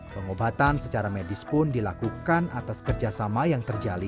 pengobatan secara medis pun dilakukan atas kerjasama yang terjalin